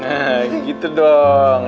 nah gitu dong